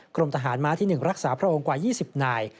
กรมทหารม้าที่๑รักษาพระองค์กว่า๒๐นาย